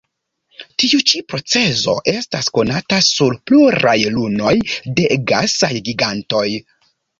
Tiu ĉi procezo estas konata sur pluraj lunoj de gasaj gigantoj.